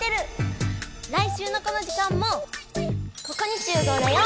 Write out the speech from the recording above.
来週のこの時間もここに集合だよ！